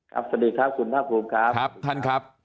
ครับสวัสดีครับคุณท่านผู้บังครับครับท่านครับ